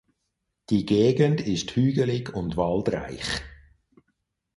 Die Gegend ist hügelig und waldreich.